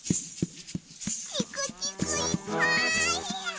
チクチクいっぱい。